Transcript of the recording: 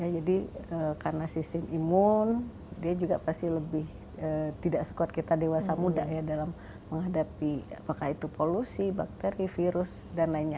jadi karena sistem imun dia juga pasti lebih tidak sekuat kita dewasa muda dalam menghadapi apakah itu polusi bakteri virus dan lainnya